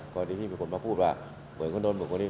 กรณีที่มีคนมาพูดว่าเหมือนคนนู้นเหมือนคนนี้